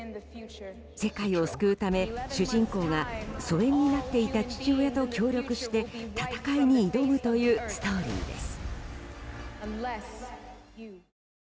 世界を救うため、主人公が疎遠になっていた父親と協力して、戦いに挑むというストーリーです。